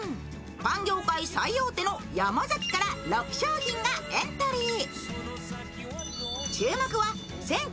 パン業界最大手の山崎から６商品がエントリー。